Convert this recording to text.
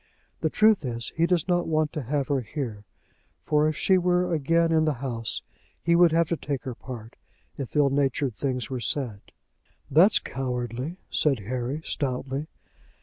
The truth is, he does not want to have her here, for if she were again in the house he would have to take her part, if ill natured things were said." "That's cowardly," said Harry, stoutly.